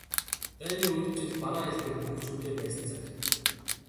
Дайны урьд жил бараа элбэг, мөнгө ч үнэтэй байсан цаг.